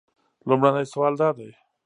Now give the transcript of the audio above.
لومړنی سوال دا دی.